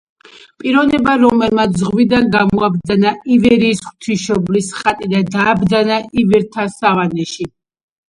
პიროვნება რომელმაც ზღვიდან გამოაბრძანა ივერიის ღვთისმშობლის ხატი და დააბრძანა ივერთა სავანეში.